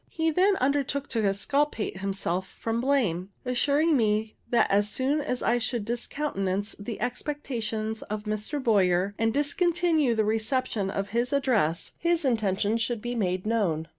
He then undertook to exculpate himself from blame, assuring me that as soon as I should discountenance the expectations of Mr. Boyer, and discontinue the reception of his address, his intentions should be made known.